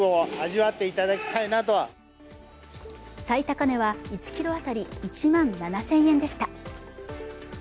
最高値は１ｋｇ当たり１万７０００円でした。